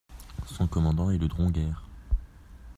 Son commandant est le drongaire.